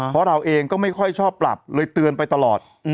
เพราะเราเองก็ไม่ค่อยชอบปรับเลยเตือนไปตลอด